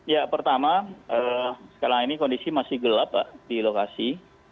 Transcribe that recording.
ya pertama sekarang ini kondisi masih gelap pak di lokasi